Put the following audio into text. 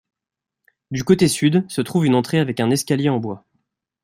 Du côté sud se trouve une entrée avec un escalier en bois.